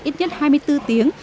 ít nhất hai mươi bốn tiếng